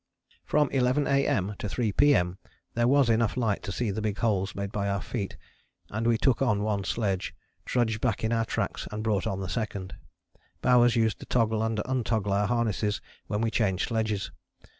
From 11 A.M. to 3 P.M. there was enough light to see the big holes made by our feet, and we took on one sledge, trudged back in our tracks, and brought on the second. Bowers used to toggle and untoggle our harnesses when we changed sledges.